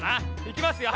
いきますよ